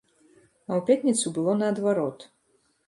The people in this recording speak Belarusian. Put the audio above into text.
А ў пятніцу было наадварот.